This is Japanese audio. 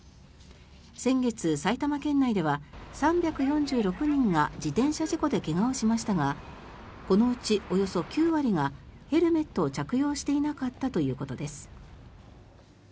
先月、埼玉県内では３４６人が自転車事故で怪我をしましたがこのうち、およそ９割がヘルメットを着用していなかったということです。